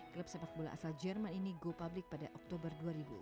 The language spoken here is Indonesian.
klub sepak bola asal jerman ini go public pada oktober dua ribu dua